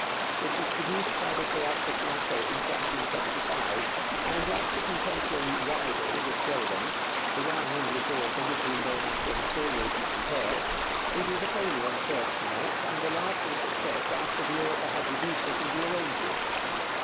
It was produced by the Théâtre Français in 1775, and like the contemporary 'Rivals' of Sheridan, the one English author with whom Beaumarchais must always be compared, it was a failure on the first night and a lasting success after the author had reduced it and rearranged it.